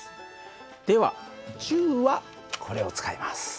では銃はこれを使います。